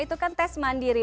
itu kan tes mandiri